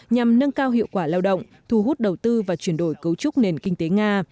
nhằm nâng cao hiệu quả lao động thu hút đầu tư và chuyển đổi cấu trúc nền kinh tế nga